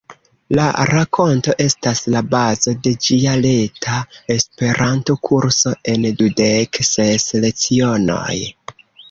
La rakonto estas la bazo de ĝia reta Esperanto-kurso en dudek ses lecionoj.